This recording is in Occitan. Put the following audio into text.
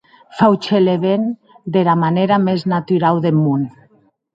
Fauchelevent dera manèra mès naturau deth mon.